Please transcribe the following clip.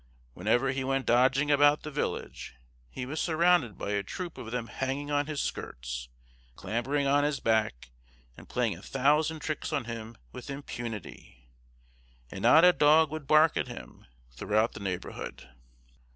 Whenever he went dodging about the village, he was surrounded by a troop of them hanging on his skirts, clambering on his back, and playing a thousand tricks on him with impunity; and not a dog would bark at him throughout the neighborhood.